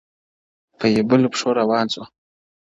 o په يبلو پښو روان سو،